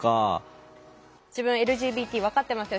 「自分はＬＧＢＴ分かってますよ。